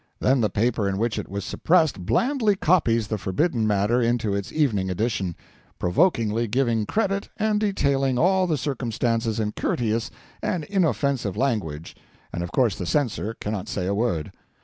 Then the paper in which it was suppressed blandly copies the forbidden matter into its evening edition provokingly giving credit and detailing all the circumstances in courteous and inoffensive language and of course the censor cannot say a word.